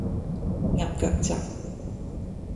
鴨腳扎